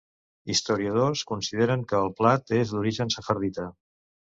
Historiadors consideren que el plat és d'origen sefardita.